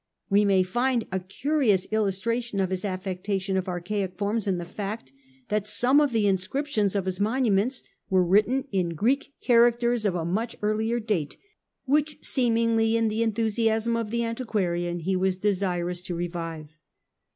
We may find a curious illustration of his affectation of archaic forms in the fact that some of the inscriptions of his monuments are written in Greek characters of a much earlier date, which seemingly in the enthusiasm of the antiquarian he was desirous to revive.